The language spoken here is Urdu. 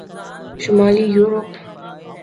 شمالی یورپ